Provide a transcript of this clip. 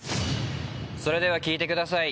それでは聴いてください